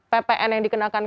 ppn yang dikenakan